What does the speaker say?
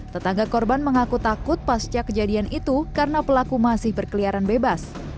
tetangga korban mengaku takut pasca kejadian itu karena pelaku masih berkeliaran bebas